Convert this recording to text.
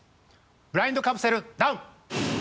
ブラインドカプセルダウン！